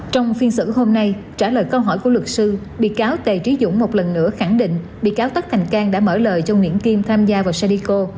trong phiên xử hôm nay trả lời câu hỏi của luật sư bị cáo tề trí dũng một lần nữa khẳng định bị cáo tất thành cang đã mở lời cho nguyễn kim tham gia vào sadico